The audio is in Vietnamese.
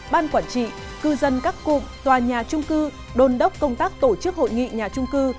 ban quản trị cư dân các cụm tòa nhà trung cư đôn đốc công tác tổ chức hội nghị nhà trung cư